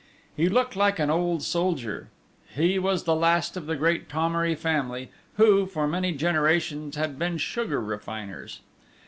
He looked like an old soldier. He was the last of the great Thomery family who, for many generations, had been sugar refiners.